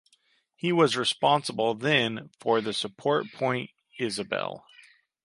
He was responsible then for the support point "Isabelle".